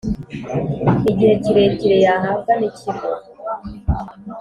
Igihe Kirekire yahabwa n ikigo